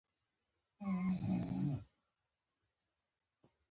سوالګر ته ژوند له مهربانۍ پوره ښکاري